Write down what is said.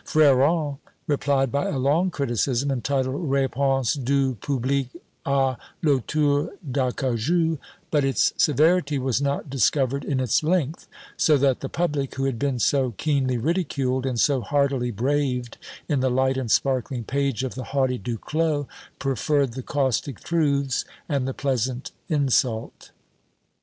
Freron replied by a long criticism, entitled "Réponse du Public Ã l'Auteur d'Acajou;" but its severity was not discovered in its length; so that the public, who had been so keenly ridiculed, and so hardily braved in the light and sparkling page of the haughty Du Clos, preferred the caustic truths and the pleasant insult.